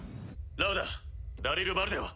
ラウダダリルバルデは？